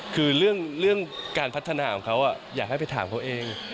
คือเรื่องการพัฒนาของเขาอยากให้ไปถามเขาเอง